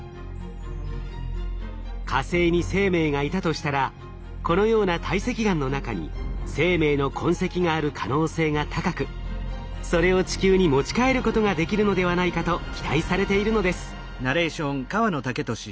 火星に生命がいたとしたらこのような堆積岩の中に生命の痕跡がある可能性が高くそれを地球に持ち帰ることができるのではないかと期待されているのです。